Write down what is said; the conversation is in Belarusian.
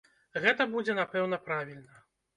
Гэта будзе, напэўна, правільна.